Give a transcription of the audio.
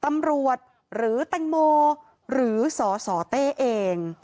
ตำรวจหรือแตงโมหรือสสเต้เอง